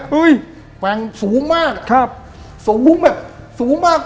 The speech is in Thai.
เฮ้ยแกว้งสูงมากครับสูงอ่ะสูงมาก